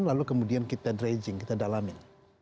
lalu kemudian kita dredging kita dalamin